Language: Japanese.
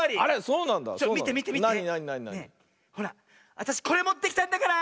あたしこれもってきたんだから！